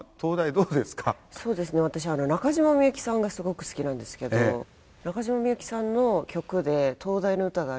そうですね私中島みゆきさんがすごく好きなんですけど中島みゆきさんの曲で灯台の歌がありまして。